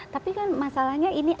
tapi kan masalahnya ini